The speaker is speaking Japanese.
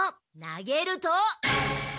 投げると。